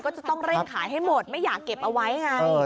ก็จะต้องเร่งขายให้หมดไม่อยากเก็บเอาไว้ไง